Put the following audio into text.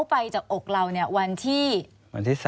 ควิทยาลัยเชียร์สวัสดีครับ